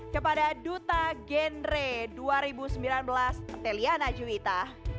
kepada duta gendre dua ribu sembilan belas tellyana juwita